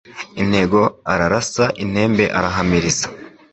Intego ararasa intembe arahamiriza